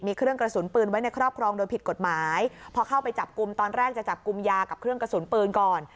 มีเครื่องกระสุนปืนไว้ในครอบครองโดยผิดกฎหมายพอเข้าไปจับกลุ่มตอนแรกจะจับกลุ่มยากับเครื่องกระสุนปืนก่อน